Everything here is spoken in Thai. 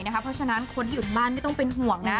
เพราะฉะนั้นคนที่อยู่บ้านไม่ต้องเป็นห่วงนะ